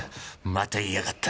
またいやがった。